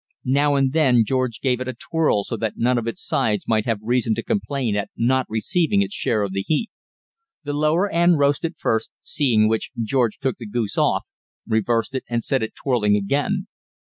Now and then George gave it a twirl so that none of its sides might have reason to complain at not receiving its share of the heat. The lower end roasted first, seeing which, George took the goose off, reversed it and set it twirling again.